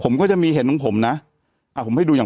แต่หนูจะเอากับน้องเขามาแต่ว่า